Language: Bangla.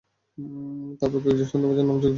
তারপর, কয়েকজন সন্দেহভাজনের নাম যুক্ত করে দিলেন।